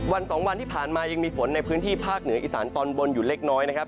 วันสองวันที่ผ่านมายังมีฝนในพื้นที่ภาคเหนืออีสานตอนบนอยู่เล็กน้อยนะครับ